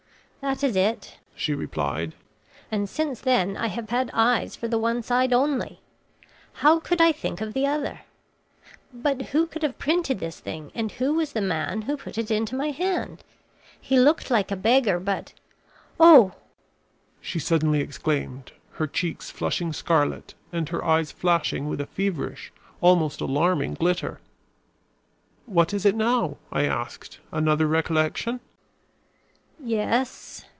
"That is it," she replied; "and since then I have had eyes for the one side only. How could I think of the other? But who could have printed this thing and who was the man who put it into my hand? He looked like a beggar but Oh!" she suddenly exclaimed, her cheeks flushing scarlet and her eyes flashing with a feverish, almost alarming, glitter. "What is it now?" I asked. "Another recollection?" "Yes."